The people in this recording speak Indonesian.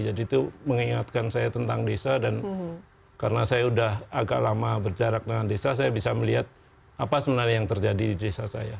jadi itu mengingatkan saya tentang desa dan karena saya udah agak lama berjarak dengan desa saya bisa melihat apa sebenarnya yang terjadi di desa saya